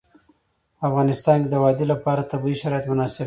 په افغانستان کې د وادي لپاره طبیعي شرایط مناسب دي.